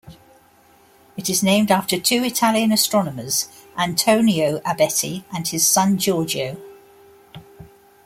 It is named after two Italian astronomers, Antonio Abetti and his son Giorgio.